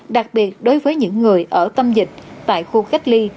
đặc biệt đối với những người ở tâm dịch tại khu cách ly